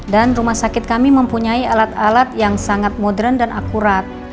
rumah sakit kami mempunyai alat alat yang sangat modern dan akurat